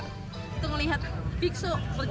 kita melihat biksu berjalan